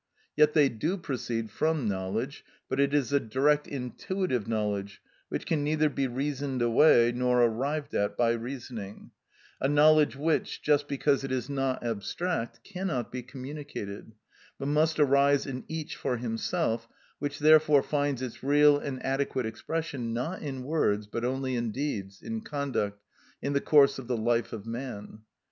Yet they do proceed from knowledge; but it is a direct intuitive knowledge, which can neither be reasoned away, nor arrived at by reasoning, a knowledge which, just because it is not abstract, cannot be communicated, but must arise in each for himself, which therefore finds its real and adequate expression not in words, but only in deeds, in conduct, in the course of the life of man.